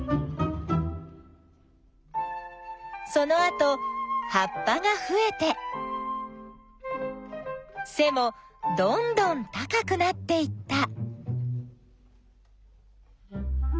そのあとはっぱがふえてせもどんどん高くなっていった。